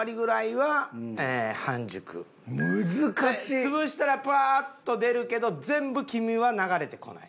潰したらパーッと出るけど全部黄身は流れてこない。